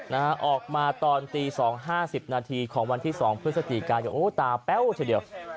นะออกมาตอนตี๒๕๐นาทีของวันที่๒เพื่อสติกายก็โอ้ตาแป้วเฉย